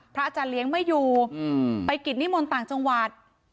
อาจารย์เลี้ยงไม่อยู่ไปกิจนิมนต์ต่างจังหวัด